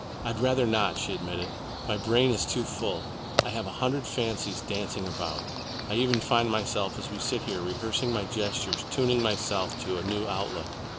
"I'd rather not," she admitted. "My brain is too full. I have a hundred fancies dancing about. I even find myself, as we sit here, rehearsing my gestures, tuning myself to a new outlook.